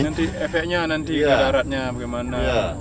nanti efeknya nanti daratnya bagaimana